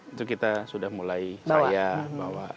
itu kita sudah mulai saya bawa